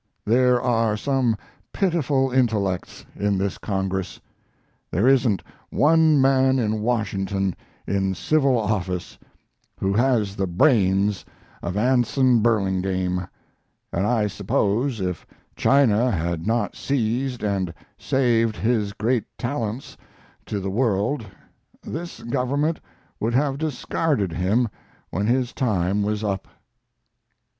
There are some pitiful intellects in this Congress! There isn't one man in Washington in civil office who has the brains of Anson Burlingame, and I suppose if China had not seized and saved his great talents to the world this government would have discarded him when his time was up.